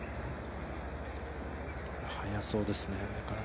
速そうですね。